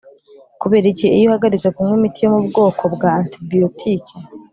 kubera iki? iyo uhagaritse kunywa imiti yo mu bwoko bwa antibiyotike,